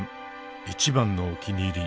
一番のお気に入り。